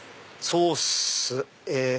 ソースえ。